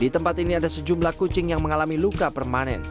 di tempat ini ada sejumlah kucing yang mengalami luka permanen